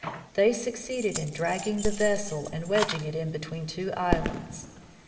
They succeeded in dragging the vessel and wedging it in between two islands.